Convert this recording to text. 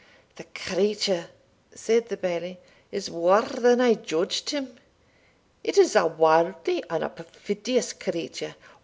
"The creature," said the Bailie, "is waur than I judged him it is a warldly and a perfidious creature.